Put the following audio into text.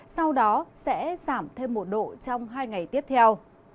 sau đó sẽ giảm thêm một độ trong hai ngày tiếp theo